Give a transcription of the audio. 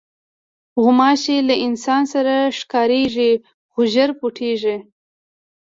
غوماشې له انسان سره ښکارېږي، خو ژر پټېږي.